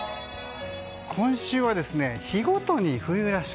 今週は日ごとに冬らしく。